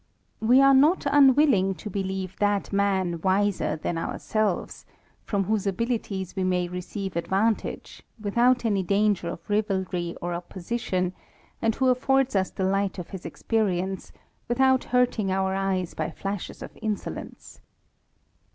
We are not unwilling to believe that man wiser than ourselves, from whose abilities we may receive advantage, without any danger of rivalry ct o ppositi on, and who affords us the light of H5 'experience^ without hurting our eyes by flashes of insolence.